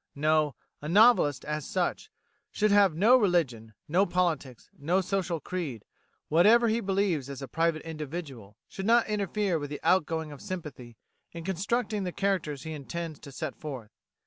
No; a novelist, as such, should have no religion, no politics, no social creed; whatever he believes as a private individual should not interfere with the outgoing of sympathy in constructing the characters he intends to set forth.